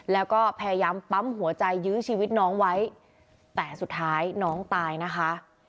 แล้วก็พยายามปั๊มหัวใจยื้อชีวิตน้องไว้แต่สุดท้ายน้องตายนะคะ